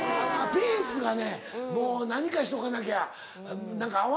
ペースがねもう何かしとかなきゃ合わないねん。